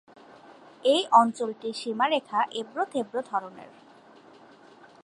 এই অঞ্চলটির সীমারেখা এবড়ো-খেবড়ো ধরনের।